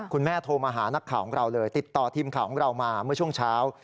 โทรมาหานักข่าวของเราเลยติดต่อทีมข่าวของเรามาเมื่อช่วงเช้า